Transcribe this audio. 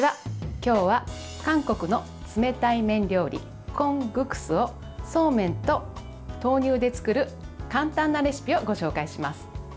今日は韓国の冷たい麺料理コングクスをそうめんと豆乳で作る簡単なレシピをご紹介します。